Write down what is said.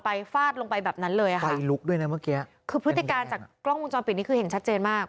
ฟาดลงไปแบบนั้นเลยค่ะไฟลุกด้วยนะเมื่อกี้คือพฤติการจากกล้องวงจรปิดนี้คือเห็นชัดเจนมาก